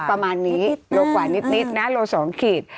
ประมาณนี้โลกว่านิดนะโล๒ขีด